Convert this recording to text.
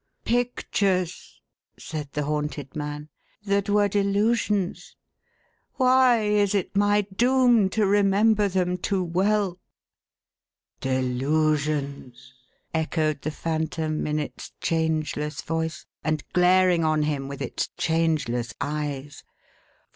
"Pictures," said the haunted man, "that were delusions. Why is it my doom to remember them too well !"" Delusions," echoed the Phantom in its changeless voice, and glaring on him with its changeless eyes.